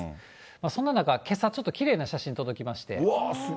そんな中、けさ、ちょっときれいな写真、届きまして。